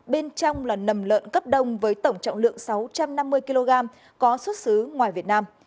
bên trong là nầm lợn cấp đông với tổng trọng lượng sáu trăm năm mươi kg có xuất xứ ngoài việt nam